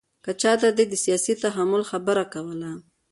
که چاته دې د سیاسي تحمل خبره کوله.